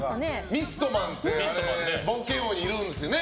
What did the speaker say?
ミストマンって冒険王にいるんですよね。